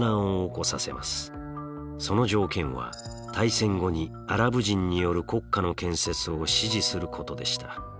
その条件は大戦後にアラブ人による国家の建設を支持することでした。